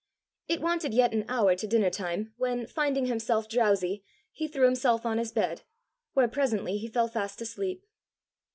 It wanted yet an hour to dinner time when, finding himself drowsy, he threw himself on his bed, where presently he fell fast asleep.